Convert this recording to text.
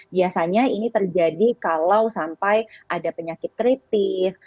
biasanya ini terjadi kalau sampai ada penyakit kritis